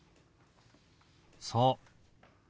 そう。